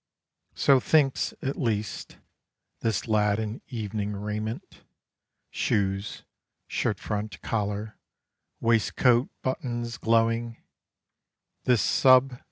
So thinks, at least, this lad in evening raiment Shoes, shirt front, collar, waistcoat buttons, glowing; This sub.